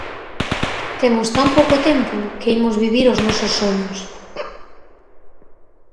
Temos tan pouco tempo que imos vivir os nosos soños.